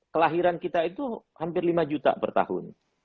kelahiran kita itu hampir lima juta per tahun